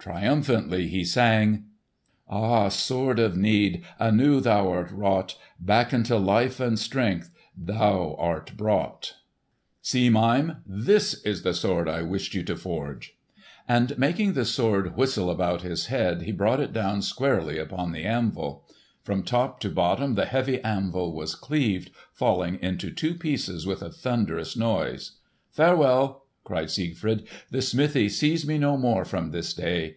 Triumphantly he sang, "Ah, Sword of Need! Anew thou art wrought; Back unto life and strength Thou art brought!" "See, Mime! This is the sword I wished you to forge!" And making the sword whistle about his head he brought it down squarely upon the anvil. From top to bottom the heavy anvil was cleaved, falling into two pieces with a thunderous noise. "Farewell!" cried Siegfried; "the smithy sees me no more from this day.